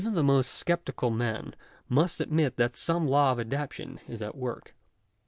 61 the most sceptical must admit that some law of adaptation is at work.